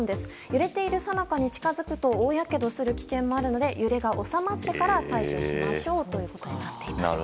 揺れているさなかに近づくと大やけどする危険もあるので揺れが収まってから対処しましょうということになっています。